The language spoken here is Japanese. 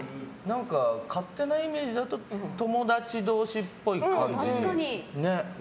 勝手なイメージだと友達同士っぽい感じに。